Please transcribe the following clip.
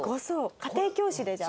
家庭教師でじゃあ。